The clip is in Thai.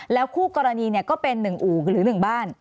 คู่กรณีก็เป็น๑อู่หรือ๑บ้าน